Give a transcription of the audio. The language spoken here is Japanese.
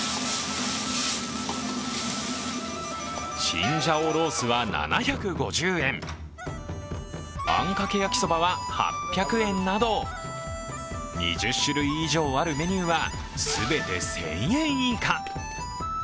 チンジャオロースは７５０円、あんかけ焼きそばは８００円など２０種類以上あるメニューは全て１０００円以下。